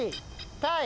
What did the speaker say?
タイ。